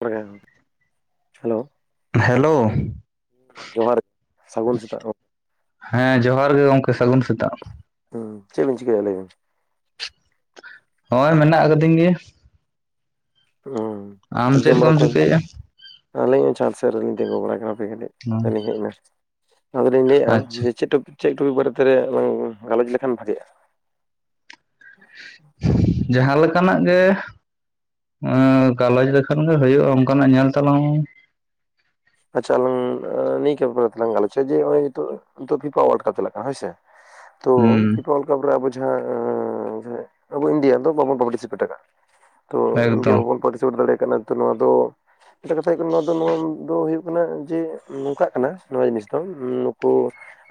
[unintelligible] Hello. Hello ᱡᱚᱦᱟᱨ ᱥᱟᱜᱩᱱ ᱥᱮᱛᱟᱜ ᱜᱚ ᱦᱮᱸ ᱡᱚᱦᱟᱨ ᱜᱮ ᱜᱚᱝᱠᱮ ᱥᱟᱜᱩᱱ ᱥᱮᱛᱟᱜ᱾ ᱦᱩᱸ ᱪᱮᱜ ᱵᱤᱱ ᱪᱤᱠᱟᱹᱭᱮᱜ-ᱟ ᱞᱟᱹᱭ ᱵᱤᱱ? ᱦᱚᱸᱜ ᱚᱭ ᱢᱮᱱᱟᱜ ᱠᱟᱫᱤᱧ ᱜᱮᱭᱟ᱾ ᱦᱩᱸ ᱟᱢ ᱪᱮᱫ ᱠᱚᱢ ᱪᱤᱠᱟᱹᱭᱮᱜ-ᱟ? ᱟᱞᱤᱧ ᱚᱸ ᱪᱷᱟᱸᱫ ᱥᱮᱜ ᱨᱮᱞᱤᱧ ᱛᱮᱜᱳ ᱵᱟᱲᱟᱭ ᱠᱟᱱᱟ ᱦᱟᱯᱮ ᱠᱟᱴᱤᱜ᱾ [unintelligible] ᱞᱤᱧ ᱦᱮᱡ ᱱᱟ ᱟᱫᱚ ᱞᱤᱧ ᱞᱟᱹᱭ ᱮᱜ-ᱟ ᱟᱪᱪᱷᱟ ᱡᱮ ᱪᱮᱜ ᱴᱚᱯᱤ ᱪᱮᱜ ᱴᱚᱯᱤᱠ ᱵᱟᱨᱮ ᱛᱮ ᱨᱮᱭᱟᱜ ᱞᱟᱝ ᱜᱟᱞᱚᱪ ᱞᱮᱠᱷᱟᱱ ᱵᱷᱟᱜᱮᱜ-ᱟ? ᱡᱟᱸᱦᱟ ᱞᱮᱠᱟᱱᱟᱜ ᱜᱮ᱾ ᱮᱸ ᱜᱟᱞᱚᱪ ᱞᱮᱠᱷᱟᱱ ᱜᱮ ᱦᱳᱭᱳᱜ-ᱟ ᱚᱱᱠᱟᱱᱟᱜ ᱧᱮᱞ ᱛᱟᱞᱟᱝ ᱢᱮ᱾ ᱟᱪᱪᱷᱟ ᱟᱞᱟᱝ ᱱᱤᱭᱠᱟᱹ ᱵᱟᱨᱮ ᱛᱮᱞᱟᱝ ᱜᱟᱞᱚᱪᱟ ᱡᱮ ᱦᱚᱜ-ᱚᱭ ᱱᱤᱛᱳᱜ᱾ ᱱᱤᱛᱳᱜ ᱯᱷᱤᱯᱟ ᱳᱣᱟᱞᱰ ᱠᱟᱯ ᱪᱟᱞᱟᱜ ᱠᱟᱱᱟ ᱦᱳᱭ ᱥᱮ ᱛᱚ ᱦᱩᱸ ᱯᱷᱤᱯᱟ ᱳᱣᱟᱞ ᱠᱟᱵ ᱨᱮ ᱟᱵᱚ ᱡᱟᱦᱟᱸ ᱟᱵᱚ ᱤᱱᱰᱤᱭᱟ ᱫᱚ ᱵᱟᱵᱚᱱ ᱯᱟᱴᱤᱥᱤᱯᱮᱴ ᱟᱠᱟᱜᱼᱟ ᱾ ᱛᱚ ᱤᱱᱰᱤᱭᱟ ᱮᱠᱫᱚᱢ ᱵᱟᱵᱚᱱ ᱯᱟᱴᱤᱥᱤᱯᱮᱴ ᱫᱟᱲᱮᱭᱟᱜ ᱠᱟᱱᱟ ᱛᱚ ᱱᱚᱣᱟ ᱫᱚ ᱢᱮᱫᱴᱮᱡ ᱠᱟᱛᱷᱟ ᱦᱩᱭᱩᱜ ᱠᱟᱱᱟ ᱱᱚᱣᱟ ᱫᱚ ᱱᱚᱭᱟ ᱫᱚ ᱦᱩᱭᱩ ᱠᱟᱱᱟ ᱡᱮ ᱱᱚᱝᱠᱟᱜ ᱠᱟᱱᱟ ᱱᱚᱣᱟ ᱡᱤᱱᱤᱥ ᱫᱚ ᱱᱩᱠᱩ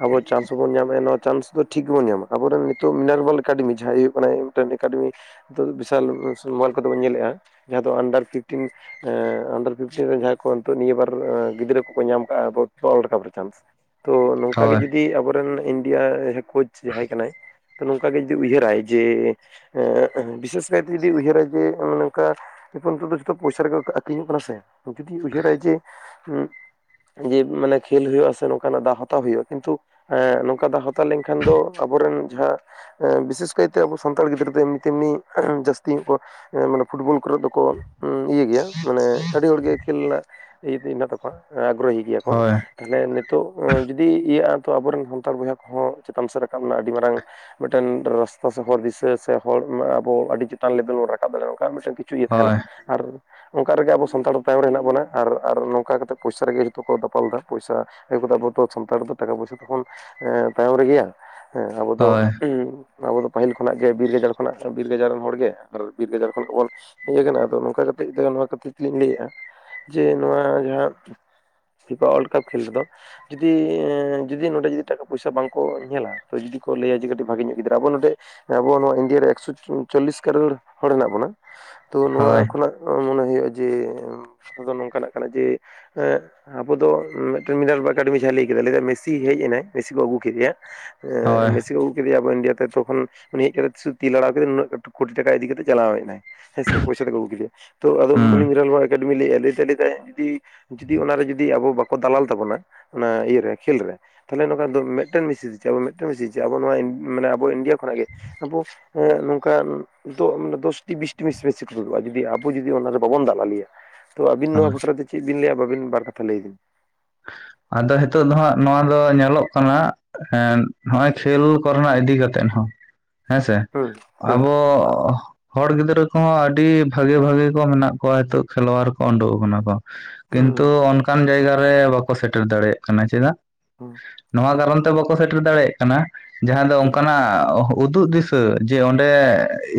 ᱟᱵᱚ ᱪᱟᱱᱥ ᱦᱚᱸᱵᱚᱱ ᱧᱟᱢᱮᱜᱼᱟ ᱱᱚᱣᱟ ᱪᱟᱱᱥ ᱫᱚ ᱴᱷᱤᱠ ᱜᱮᱵᱚᱱ ᱧᱟᱢᱟ ᱟᱵᱚᱨᱮᱱ ᱱᱤᱛᱚᱜ ᱢᱤᱱᱟᱨᱵᱮᱞ ᱮᱠᱟᱰᱮᱢᱤ ᱡᱟᱦᱟᱸᱭ ᱦᱩᱭᱩᱜ ᱠᱟᱱᱟᱭ ᱨᱮᱱ ᱮᱠᱟᱰᱮᱢᱤ ᱱᱤᱛᱳᱜ ᱫᱚ ᱵᱤᱥᱟᱞ ᱥᱮ ᱢᱚᱵᱟᱤᱞ ᱠᱚᱛᱮ ᱵᱚᱱ ᱧᱮᱞᱮᱜᱼᱟ ᱡᱟᱦᱟᱸ ᱫᱚ ᱟᱱᱰᱟᱨ ᱯᱷᱤᱯᱴᱤᱱ ᱮᱸ ᱟᱱᱰᱟᱨ ᱯᱷᱤᱯᱴᱤᱱ ᱨᱮᱱ ᱡᱟᱦᱟᱸ ᱠᱚ ᱱᱤᱛᱳᱜ ᱱᱤᱭᱟᱹ ᱵᱟᱨ ᱜᱤᱫᱽᱨᱟᱹ ᱠᱚᱠᱚ ᱧᱟᱢ ᱠᱟᱜᱼᱟ ᱟᱵᱚ ᱛᱚ ᱚᱞ ᱨᱟᱠᱟᱵ ᱨᱮ ᱪᱟᱱᱥ ᱛᱚ ᱱᱚᱝᱠᱟᱜᱮ ᱦᱳᱭ ᱡᱩᱫᱤ ᱟᱵᱚ ᱟᱵᱚᱨᱮᱱ ᱤᱱᱰᱤᱭᱟ ᱦᱮᱸ ᱠᱳᱪ ᱡᱟᱦᱟᱸᱭ ᱠᱟᱱᱟᱭ ᱱᱚᱝᱠᱟ ᱜᱮ ᱡᱩᱫᱤ ᱩᱭᱦᱟᱹᱨᱟᱭ ᱡᱮ ᱮᱸ ᱵᱤᱥᱮᱥ ᱠᱟᱭᱛᱮ ᱡᱩᱫᱤ ᱩᱭᱦᱟᱹᱨᱟᱭ ᱡᱮ ᱚᱱᱮ ᱚᱝᱠᱟ ᱱᱤᱛᱚᱜ ᱫᱚ ᱡᱚᱛᱚ ᱯᱚᱭᱥᱟᱹ ᱨᱮᱜᱮ ᱠᱚ ᱟᱠᱷᱨᱤᱧᱚᱜ ᱠᱟᱱᱟ ᱥᱮ ᱡᱩᱫᱤ ᱩᱭᱦᱟᱹᱨᱟᱭ ᱡᱮ ᱦᱩᱸ ᱡᱮ ᱢᱟᱱᱮ ᱠᱷᱮᱞ ᱦᱩᱭᱩᱜᱼᱟ ᱥᱮ ᱱᱚᱝᱠᱟᱱᱟᱜ ᱫᱟᱣ ᱦᱟᱛᱟᱣ ᱦᱩᱭᱩᱜᱼᱟ ᱠᱤᱱᱛᱩ ᱮᱸᱜ ᱱᱚᱝᱠᱟ ᱫᱟᱣ ᱦᱟᱛᱟᱣ ᱞᱮᱱᱠᱷᱟᱱ ᱫᱚ ᱟᱵᱚᱨᱮᱱ ᱡᱟᱦᱟᱸ ᱟᱸ ᱵᱤᱥᱮᱥ ᱠᱟᱭᱛᱮ ᱟᱵᱚ ᱥᱟᱱᱛᱟᱲ ᱜᱤᱫᱽᱨᱟᱹ ᱫᱚ ᱮᱢᱱᱤ ᱛᱮᱢᱱᱤ ᱡᱟᱹᱥᱛᱤ ᱧᱚᱜ ᱠᱚ ᱢᱟᱱᱮ ᱯᱷᱩᱴᱵᱚᱞ ᱠᱚᱨᱮ ᱫᱚᱠᱚ ᱤᱭᱟᱹ ᱜᱮᱭᱟ ᱢᱟᱱᱮ ᱟᱹᱰᱤ ᱦᱚᱲᱜᱮ ᱠᱷᱮᱞ ᱤᱫ ᱦᱮᱱᱟᱜ ᱛᱟᱠᱚᱣᱟ ᱟᱜᱽᱨᱚᱦᱤ ᱜᱮᱭᱟ ᱠᱚ, ᱦᱳᱭ ᱛᱟᱦᱚᱞᱮ ᱱᱤᱛᱚᱜ ᱡᱩᱫᱤ ᱤᱭᱟᱹᱜᱼᱟ ᱛᱚ ᱟᱵᱚᱨᱮᱱ ᱥᱟᱱᱛᱟᱲ ᱵᱚᱭᱦᱟ ᱠᱚᱦᱚᱸ ᱪᱮᱛᱟᱱ ᱥᱮᱫ ᱨᱟᱠᱟᱵ ᱨᱮᱱᱟᱜ ᱟᱹᱰᱤ ᱢᱟᱨᱟᱝ ᱢᱤᱫᱴᱮᱱ ᱨᱟᱥᱛᱟ ᱥᱮ ᱦᱚᱨ ᱫᱤᱥᱟᱹ ᱥᱮ ᱦᱚᱲ ᱚᱱᱟ ᱟᱵᱚ ᱟᱹᱰᱤ ᱪᱮᱛᱟᱱ ᱞᱮᱵᱮᱞ ᱵᱚᱱ ᱨᱟᱠᱟᱵ ᱫᱟᱲᱮᱣᱟᱠᱟᱜᱼᱟ ᱾ ᱠᱤᱪᱷᱩ ᱤᱭᱟᱹ ᱛᱟᱦᱮᱱᱟ ᱦᱳᱭ ᱟᱨ ᱚᱝᱠᱟ ᱨᱮᱜᱮ ᱟᱵᱚ ᱥᱟᱱᱛᱟᱲ ᱫᱚ ᱛᱟᱭᱚᱢ ᱨᱮ ᱦᱮᱱᱟᱜ ᱵᱚᱱᱟ ᱟᱨ ᱟᱨ ᱱᱚᱝᱠᱟ ᱠᱟᱛᱮᱜ ᱯᱚᱭᱥᱟᱹ ᱨᱮᱜᱮ ᱡᱚᱛᱚ ᱠᱚ ᱫᱟᱯᱟᱞᱫᱟ ᱯᱚᱭᱥᱟᱹ ᱮᱵᱚ ᱫᱚ ᱟᱵᱚᱫᱚ ᱥᱟᱱᱛᱟᱲ ᱫᱚ ᱴᱟᱠᱟ ᱯᱚᱭᱥᱟᱹ ᱛᱮᱵᱚᱱ ᱮᱸ ᱛᱟᱭᱚᱢ ᱨᱮᱜᱮᱭᱟ ᱦᱮᱸ ᱟᱵᱚ ᱫᱚ ᱦᱳᱭ ᱟᱵᱚ ᱫᱚ ᱯᱟᱹᱦᱤᱞ ᱠᱷᱚᱱᱟᱜ ᱜᱮ ᱵᱤᱨ ᱜᱟᱡᱟᱲ ᱠᱷᱚᱱᱟᱜ ᱵᱤᱨ ᱜᱟᱡᱟᱲ ᱨᱮᱱ ᱦᱚᱲᱜᱮ ᱟᱨ ᱵᱤᱨ ᱜᱟᱡᱟᱲ ᱠᱷᱚᱱᱟᱜ ᱵᱚᱱ ᱦᱮᱡ ᱟᱠᱟᱱᱟ ᱟᱫᱚ ᱱᱚᱝᱠᱟ ᱠᱟᱛᱮᱜ ᱛᱮᱜᱮ ᱱᱚᱣᱟ ᱠᱷᱟᱹᱛᱤᱨ ᱛᱤᱞᱤᱧ ᱞᱮᱭᱮᱜᱼᱟ ᱡᱮ ᱱᱚᱣᱟ ᱡᱟᱦᱟᱸ ᱯᱷᱤᱯᱟ ᱣᱟᱞᱰ ᱠᱟᱹᱯ ᱠᱷᱮᱞ ᱨᱮᱫᱚ ᱡᱩᱫᱤ ᱮ ᱡᱩᱫᱤ ᱱᱚᱸᱰᱮ ᱡᱩᱫᱤ ᱴᱟᱠᱟ ᱯᱚᱭᱥᱟᱹ ᱵᱟᱝᱠᱚ ᱧᱮᱞᱟ ᱛᱚ ᱡᱩᱫᱤ ᱠᱚ ᱞᱮᱭᱟ ᱡᱮ ᱠᱟᱹᱴᱤᱡ ᱵᱷᱟᱜᱮ ᱧᱚᱜ ᱜᱤᱫᱽᱨᱟᱹ ᱟᱵᱚ ᱱᱚᱸᱰᱮ ᱟᱵᱚᱣᱟᱜ ᱱᱚᱣᱟ ᱤᱱᱰᱤᱭᱟ ᱨᱮ ᱮᱠᱥᱚ ᱪᱚ ᱪᱚᱞᱞᱤᱥ ᱠᱟᱨᱳᱲ ᱦᱚᱲ ᱦᱮᱱᱟᱜ ᱵᱚᱱᱟ ᱛᱚ ᱦᱳᱭ ᱱᱚᱣᱟ ᱠᱷᱚᱱᱟᱜ ᱢᱚᱱᱮ ᱦᱩᱭᱩᱜᱼᱟ ᱡᱮ ᱟᱫᱚ ᱱᱚᱝᱠᱟᱱᱟᱜ ᱠᱟᱱᱟ ᱡᱮ ᱮᱸ ᱟᱵᱚ ᱫᱚ ᱢᱮᱫᱴᱮᱱ ᱢᱤᱰᱟᱞᱵᱟ ᱮᱠᱟᱰᱮᱢᱤ ᱡᱟᱦᱟᱸ ᱞᱮᱭ ᱠᱮᱫᱟᱭ ᱞᱮᱭᱫᱟᱭ ᱢᱮᱥᱤ ᱦᱮᱡ ᱮᱱᱟᱭ ᱢᱮᱥᱤ ᱠᱚ ᱟᱹᱜᱩ ᱠᱮᱫᱮᱭᱟ, ᱮᱸ ᱦᱳᱭ ᱢᱮᱥᱤ ᱠᱚ ᱟᱹᱜᱩ ᱠᱮᱫᱮᱭᱟ ᱟᱵᱚ ᱤᱱᱰᱤᱭᱟ ᱛᱮ ᱛᱚ ᱠᱷᱚᱱ ᱩᱱᱤ ᱦᱮᱡ ᱠᱟᱛᱮᱜ ᱥᱩᱫᱷᱩ ᱛᱤ ᱞᱟᱲᱟᱣ ᱠᱮᱫᱟᱭ ᱱᱩᱱᱟᱹᱜ ᱴᱩᱠ ᱠᱩᱲᱤ ᱴᱟᱠᱟᱭ ᱤᱫᱤ ᱠᱟᱛᱮᱜ ᱪᱟᱞᱟᱣ ᱮᱱᱟᱭ, ᱦᱮᱸᱥᱮ ᱯᱚᱭᱥᱟᱹ ᱛᱮᱠᱚ ᱟᱹᱜᱩ ᱠᱮᱫᱮᱭᱟ ᱛᱚ ᱟᱫᱚ ᱩᱱᱤ ᱦᱩᱸ ᱱᱤᱨᱟᱞᱵᱟ ᱮᱠᱟᱰᱮᱢᱤᱭ ᱞᱮᱭ ᱮᱜᱼᱟ ᱞᱮᱹᱭᱫᱟᱭ ᱞᱮ ᱫᱟᱭ ᱡᱩᱫᱤ ᱡᱩᱫᱤ ᱚᱱᱟᱨᱮ ᱡᱩᱫᱤ ᱟᱵᱚ ᱵᱟᱠᱚ ᱫᱟᱞᱟᱞ ᱛᱟᱵᱚᱱᱟ ᱚᱱᱟ ᱤᱭᱟᱹᱨᱮ ᱠᱷᱮᱞ ᱨᱮ ᱛᱟᱦᱚᱞᱮ ᱱᱚᱝᱠᱟ ᱫᱚ ᱢᱮᱜᱴᱮᱱ ᱢᱮᱤᱥ ᱫᱚ ᱪᱟᱜ ᱢᱮᱜᱴᱮᱱ ᱢᱤᱥᱮ ᱫᱚ ᱪᱟᱜ ᱟᱵᱚ ᱱᱚᱣᱟ ᱤᱱ ᱢᱟᱱᱮ ᱟᱵᱚ ᱤᱱᱰᱤᱭᱟ ᱠᱷᱚᱱᱟᱜ ᱜᱮ ᱟᱵᱚ ᱮᱸᱜ ᱱᱚᱝᱠᱟᱱ ᱱᱤᱛᱚᱜ ᱢᱟᱱᱮ ᱫᱚᱥᱴᱤ ᱵᱤᱥᱴᱤ ᱢᱮᱥᱤ ᱵᱤᱥᱤ ᱠᱚ ᱛᱩᱫᱩᱜᱼᱟ ᱡᱩᱫᱤ ᱟᱵᱚ ᱡᱩᱫᱤ ᱚᱱᱟ ᱨᱮ ᱵᱟᱵᱚᱱ ᱫᱟᱞᱟᱞᱤᱭᱟ, ᱛᱚ ᱟᱹᱵᱤᱱ ᱱᱚᱣᱟ ᱦᱳᱭ [unintelligible] ᱫᱚ ᱪᱮᱫ ᱵᱤᱱ ᱞᱟᱹᱭᱟ ᱟᱹᱵᱤᱱ ᱵᱟᱨ ᱠᱟᱛᱷᱟ ᱞᱟᱹᱞ‌ ᱵᱤᱱ ᱾ ᱟᱫᱚ ᱦᱮᱛᱚᱜ ᱫᱚ ᱦᱟᱸᱜ ᱱᱚᱣᱟ ᱫᱚ ᱧᱮᱞᱚᱜ ᱠᱟᱱᱟ ᱮᱸᱜ ᱦᱚᱜᱼᱚᱭ ᱠᱷᱮᱞ ᱠᱚᱨᱮᱱᱟᱜ ᱤᱫᱤ ᱠᱟᱛᱮᱫ ᱦᱚᱸ [inaudible] ᱦᱮᱸᱥᱮ ᱦᱩᱸ ᱟᱵᱚ ᱦᱚᱲ ᱜᱤᱫᱽᱨᱟᱹ ᱠᱚᱦᱚᱸ ᱟᱹᱰᱤ ᱵᱷᱟᱹᱜᱤ ᱵᱷᱟᱹᱜᱤ ᱠᱚ ᱢᱮᱱᱟᱜ ᱠᱚᱣᱟ ᱦᱮᱛᱚᱜ ᱠᱷᱮᱞᱳᱣᱟᱨ ᱠᱚ ᱩᱸᱰᱩᱠ ᱟᱠᱟᱱᱟ ᱠᱚ ᱾ ᱠᱤᱱᱛᱩ ᱦᱩᱸ ᱚᱱᱠᱟᱱ ᱡᱟᱭᱜᱟ ᱨᱮ ᱵᱟᱠᱚ ᱥᱮᱴᱮᱨ ᱫᱟᱲᱮᱭᱟᱜ ᱠᱟᱱᱟ ᱪᱮᱫᱟᱜ? ᱦᱢ ᱾ ᱱᱚᱣᱟ ᱠᱟᱨᱚᱱ ᱛᱮ ᱵᱟᱠᱚ ᱥᱮᱴᱮᱨ ᱫᱟᱲᱮᱭᱟᱜ ᱠᱟᱱᱟ ᱡᱟᱦᱟᱸ ᱫᱚ ᱦᱩᱸ ᱚᱱᱠᱟᱱᱟᱜ ᱩᱫᱩᱜ ᱫᱤᱥ ᱤᱟᱹ ᱡᱮ ᱚᱸᱰᱮ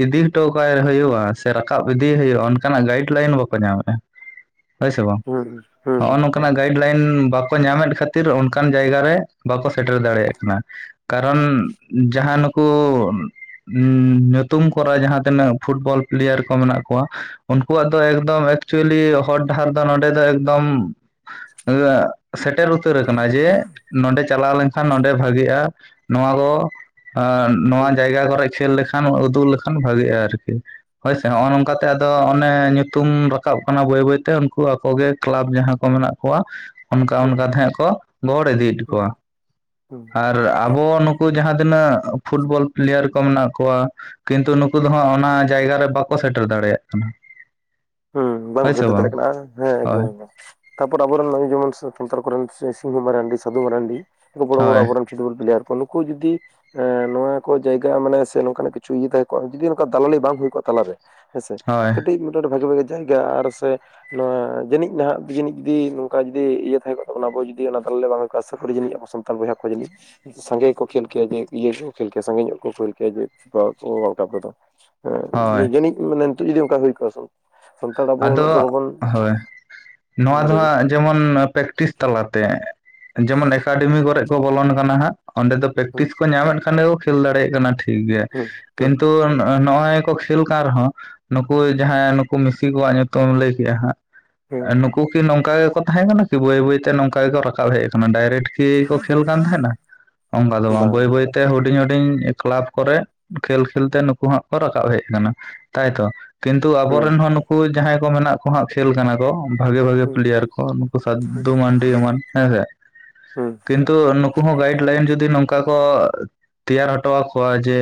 ᱤᱫᱤ ᱦᱚᱴᱚ ᱠᱟᱭ ᱦᱩᱭᱩᱜᱼᱟ ᱥᱮ ᱨᱟᱠᱟᱵ ᱤᱫᱤᱭᱮ ᱦᱩᱭᱩᱜᱼᱟ ᱚᱱᱠᱟᱱᱟᱜ ᱜᱟᱭᱤᱰ ᱞᱟᱭᱤᱱ ᱵᱟᱠᱚ ᱧᱟᱢᱮᱫᱼᱟ ᱾ [inaudible] ᱦᱳᱭ ᱥᱮ ᱵᱟᱝ ᱦᱩᱸ ᱦᱩᱸ ᱦᱩᱸ ᱱᱚᱜ ᱱᱚᱝ ᱞᱟᱭᱤᱱ ᱵᱟᱠᱚ ᱧᱟᱢᱮᱫ ᱠᱷᱟᱹᱛᱤᱨ ᱚᱱᱠᱟᱱ ᱡᱟᱭᱜᱟ ᱨᱮ ᱵᱟᱠᱚ ᱥᱮᱴᱮᱨ ᱫᱟᱲᱮᱭᱟᱜ ᱠᱟᱱᱟ ᱾ ᱠᱟᱨᱚᱱ ᱡᱟᱦᱟᱸ ᱱᱩᱠᱩ, ᱧᱩᱛᱩᱢ ᱠᱚᱨᱟ ᱡᱟᱦᱟᱸ ᱛᱤᱱᱟᱹᱜ ᱯᱷᱩᱴᱵᱚᱞ ᱯᱞᱮᱭᱟᱨ ᱠᱚ ᱢᱮᱱᱟᱜ ᱠᱚᱣᱟ᱾ ᱩᱱᱠᱩᱣᱟᱜ ᱫᱚ ᱮᱠᱫᱚᱢ ᱮᱠᱪᱩᱭᱮᱞᱤ ᱦᱚᱨ ᱰᱟᱦᱟᱨ ᱫᱚ ᱱᱚᱰᱮ ᱫᱚ ᱮᱠᱫᱚᱢ ᱥᱮᱴᱮᱨ ᱩᱛᱟᱹᱨ ᱠᱟᱱᱟ ᱡᱮ, ᱱᱚᱸᱰᱮ ᱪᱟᱞᱟᱣ ᱞᱮᱱᱠᱷᱟᱱ ᱱᱚᱰᱮ ᱵᱷᱟᱜᱤᱜᱼᱟ᱾ ᱱᱚᱣᱟ ᱠᱚ ᱱᱚᱣᱟ ᱦᱩᱸ ᱡᱟᱭᱜᱟ ᱠᱚᱨᱮ ᱠᱷᱮᱞ ᱞᱮᱠᱷᱟᱱ ᱠᱷᱟᱱ ᱩᱫᱩᱜ ᱞᱮᱠᱷᱟᱱ ᱵᱷᱟᱜᱤᱜᱼᱟ ᱟᱨᱠᱤ ᱾ ᱦᱳᱭᱥᱮ ᱱᱚᱜᱼᱚ ᱱᱚᱝᱠᱟᱛᱮ ᱟᱫᱚ ᱚᱱᱮ ᱧᱩᱛᱩᱢ ᱨᱟᱠᱟᱵ ᱠᱟᱱᱟ ᱵᱟᱹᱭ ᱵᱟᱹᱭᱛᱮ, ᱩᱱᱠᱩ ᱟᱠᱚᱜᱮ ᱠᱞᱟᱵᱽ ᱡᱟᱦᱟᱸ ᱢᱮᱱᱟᱜ ᱠᱚᱣᱟ, ᱚᱱᱠᱟ ᱦᱩᱸ ᱚᱱᱠᱟ ᱛᱟᱦᱮᱸᱜ ᱠᱚ ᱜᱚᱲ ᱤᱫᱤᱭᱮᱫ ᱦᱩᱸ ᱠᱚᱣᱟ ᱦᱩᱸ ᱾ᱟᱨ ᱟᱨ ᱟᱵᱚ ᱱᱩᱠᱩ ᱡᱟᱦᱟᱸ ᱛᱤᱱᱟᱹᱜ, ᱯᱷᱩᱴᱵᱚᱞ ᱯᱞᱮᱭᱟᱨ ᱠᱚ ᱢᱮᱱᱟᱜ ᱠᱚᱣᱟ᱾ ᱠᱤᱱᱛᱩ ᱱᱩᱠᱩ ᱫᱚ ᱦᱟᱸᱜ ᱚᱱᱟ ᱡᱟᱭᱜᱟᱟᱨ ᱨᱮ ᱵᱟᱠᱚ ᱥᱮᱴᱮᱨ ᱫᱟᱲᱮᱭᱟᱜ ᱠᱟᱱᱟ᱾ ᱦᱩᱸ [unintelligible] ᱦᱳᱭ ᱥᱮ ᱵᱟᱝ ᱫᱟᱲᱮᱭᱟᱜ ᱠᱟᱱᱟ ᱦᱮᱸ ᱦᱳᱭ ᱮᱠᱫᱚᱢ ᱮᱠᱫᱚᱢ᱾ ᱛᱟᱯᱚᱨ ᱟᱵᱮᱱ ᱡᱮᱢᱚᱱ ᱥᱟᱱᱛᱟᱨ ᱠᱚ ᱨᱮᱱ ᱥᱤᱝᱦᱩ ᱢᱟᱨᱟᱱᱰᱤ ᱥᱟᱫᱩ ᱢᱟᱨᱟᱱᱰᱤ ᱮ ᱵᱚᱲᱚᱲᱚ ᱦᱳᱭ ᱟᱵᱚᱨ ᱨᱮᱱ ᱯᱷᱩᱴᱵᱚᱞ ᱯᱮᱭᱟᱨ ᱠᱚ, ᱱᱩᱠᱩ ᱡᱚᱫᱤ ᱮᱸ ᱱᱚᱣᱟ ᱠᱚ ᱡᱟᱭᱜᱟ ᱢᱟᱱᱮ ᱥᱮ ᱱᱚᱝᱠᱟᱱᱟᱜ ᱠᱤᱪᱷᱩ ᱤᱭᱟᱹ ᱛᱟᱦᱮᱸ ᱠᱚᱜᱼᱟ, ᱡᱩᱫᱤ ᱱᱚᱝᱠᱟ ᱫᱟᱞᱟᱞᱤ ᱵᱟᱝ ᱦᱩᱭ ᱠᱚᱜᱼᱟ ᱛᱟᱞᱟᱨᱮ ᱦᱮᱸᱥᱮ ᱦᱳᱭ ᱠᱟᱹᱴᱤᱡ ᱢᱤᱫᱴᱟ ᱡᱤᱫᱴᱟ ᱵᱷᱟᱜᱤ ᱵᱷᱟᱜᱤ ᱡᱟᱭᱜᱟ ᱟᱨ ᱥᱮ, ᱱᱚᱣᱟ ᱡᱟᱹᱱᱤᱡᱟᱸ ᱡᱤᱡ ᱡᱩᱤ ᱱᱚᱝᱠᱟ ᱡᱩᱫᱤ ᱤᱭᱟᱹ ᱛᱟᱦᱮᱸ ᱠᱚᱜ ᱛᱟᱵᱱᱟ, ᱟᱵᱚ ᱡᱩᱫᱤ ᱚᱱᱟ ᱛᱟᱞᱮ ᱵᱟᱝ ᱦᱩᱭᱩᱜ ᱠᱚᱜᱼᱟ᱾ ᱟᱥᱟ ᱠᱚᱨᱤ ᱟᱵᱚ ᱥᱟᱱᱛ ᱵᱚᱭᱦᱟ ᱠᱚ ᱡᱟᱹᱱᱤᱡ ᱥᱟᱸᱜᱮ ᱜᱮ ᱠᱚᱠᱚ ᱠᱷᱮᱞ ᱠᱮᱭᱟ ᱡᱮ, ᱤᱭᱟᱹ ᱜᱮᱠᱚ ᱠᱷᱮᱞ ᱠᱮᱭᱟ ᱥᱟᱸᱜᱮ ᱧᱚᱜ ᱠᱚ ᱠᱷᱮᱞ ᱠᱮᱭᱟ ᱡᱮ ᱯᱷᱴᱵ ᱣᱟᱨᱞᱰ ᱠᱟᱯ ᱨᱮᱫᱚ ᱦᱳᱭ ᱦᱮᱸ ᱡᱟᱹᱱᱤᱡ, ᱢᱟᱱᱮ ᱱᱤᱛᱚᱜ ᱡᱩᱫᱤ ᱚᱱᱠᱟ ᱦᱩᱭ ᱠᱚᱜᱼᱟ ᱾ ᱟᱫᱚ ᱦᱳᱭ᱾ ᱱᱚᱣᱟ ᱫᱚ ᱞᱟᱹᱭᱟ ᱦᱟᱸᱜ ᱡᱮᱢᱚᱱ ᱯᱮᱠᱴᱤᱥ ᱛᱟᱞᱟᱛᱮ, ᱡᱮᱢᱚᱱ ᱮᱠᱟᱰᱮᱢᱤ ᱠᱚᱨᱮ ᱠᱚ ᱵᱚᱞᱚᱱ ᱠᱟᱱᱟ ᱦᱟᱸᱜ᱾ ᱚᱸᱰᱮ ᱫᱚ ᱦᱩᱸ ᱯᱮᱠᱴᱤᱥ ᱠᱚ ᱧᱟᱢᱮᱫ ᱠᱷᱟᱱ ᱫᱚᱠᱚ ᱠᱷᱮᱞ ᱫᱟᱲᱮᱭᱟᱜ ᱠᱟᱱᱟ ᱴᱷᱤᱠ ᱜᱮ ᱦᱩᱸ ᱾ ᱦᱩᱸ ᱠᱤᱱᱛᱩ ᱱᱚᱜᱼᱚᱭ ᱠᱚ ᱠᱷᱮᱞ ᱠᱟᱱ ᱨᱮᱦᱚᱸ, ᱱᱩᱠᱩ ᱡᱟᱦᱟᱸ ᱱᱩᱠᱩ ᱢᱤᱥᱤ ᱠᱚᱣᱟᱜ ᱧᱩᱛᱩᱢ ᱞᱟᱹᱭ ᱠᱮᱫᱮᱜᱼᱟ ᱦᱟᱸᱜ ᱦᱩᱸ ᱱᱩᱠᱩ ᱠᱤ ᱱᱚᱝᱠᱟ ᱜᱮᱠᱚ ᱛᱟᱦᱮᱸᱠᱟᱱᱟ ᱠᱤ? ᱵᱟᱹᱭ ᱵᱟᱹᱭᱛᱮ ᱱᱚᱝᱠᱟ ᱜᱮᱠᱚ ᱨᱟᱠᱟᱵ ᱦᱮᱡ ᱟᱠᱟᱱᱟ ᱾ ᱰᱟᱭᱨᱮᱠᱴ ᱠᱚ ᱠᱷᱮᱞ ᱠᱟᱱ ᱛᱟᱦᱮᱸᱱᱟ, ᱚᱱᱠᱟ ᱫᱚ ᱵᱟᱝ ᱵᱟᱹᱭ ᱵᱟᱹᱭ ᱛᱮ ᱦᱩᱰᱤᱧ ᱦᱩᱰᱤᱧ ᱠᱞᱟᱵᱽ ᱠᱚᱨᱮ, ᱠᱷᱮᱞ ᱠᱷᱮᱞ ᱛᱮ ᱱᱩᱠᱩ ᱦᱟᱸᱜ ᱠᱚ ᱨᱟᱠᱟᱵ ᱦᱮᱡ ᱟᱠᱟᱱᱟ ᱾ ᱛᱟᱭᱛᱚ ᱠᱤᱱᱛᱩ ᱦᱩᱸ ᱟᱵᱚᱨᱮᱱ ᱦᱚᱸ ᱱᱩᱠᱩ ᱡᱟᱦᱟᱸᱭ ᱠᱚ ᱢᱮᱱᱟᱜ ᱠᱚᱣᱟ ᱦᱟᱸᱜ, ᱠᱷᱮᱞ ᱠᱟᱱᱟ ᱠᱚ ᱾ ᱵᱷᱟᱜᱮ ᱵᱷᱟᱜᱮ ᱦᱩᱸ ᱯᱞᱮᱭᱟᱨ ᱠᱚ, ᱱᱩᱠᱩ ᱥᱟᱫᱫᱩ ᱢᱟᱱᱰᱤ ᱮᱢᱟᱱ ᱦᱮᱸᱥᱮ ᱦᱩᱸ ᱾ ᱠᱤᱱ ᱛᱚ ᱱᱩᱠᱩ ᱦᱚᱸ ᱜᱟᱭᱤᱰ ᱞᱟᱭᱤᱱ ᱡᱚᱫᱤ ᱱᱚᱝᱠᱟ ᱠᱚ ᱛᱮᱭᱟᱨ ᱦᱚᱴᱚ ᱟᱠᱚᱣᱟ ᱡᱮ,